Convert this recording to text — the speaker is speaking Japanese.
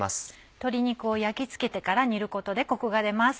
鶏肉を焼き付けてから煮ることでコクが出ます。